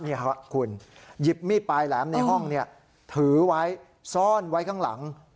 นี่ครับคุณหยิบมีดปลายแหลมในห้องถือไว้ซ่อนไว้ข้างหลัง